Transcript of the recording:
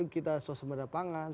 kita sosial media pangan